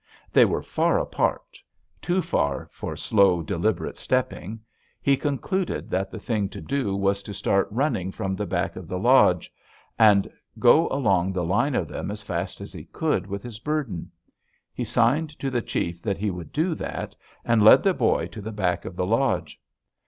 They were far apart; too far for slow, deliberate stepping; he concluded that the thing to do was to start running from the back of the lodge, and go along the line of them as fast as he could with his burden. He signed to the chief that he would do that, and led the boy to the back of the lodge.